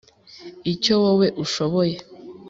Icyo wowe ushoboye,